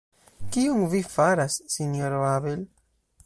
Kion Vi faras, Sinjoro Abel?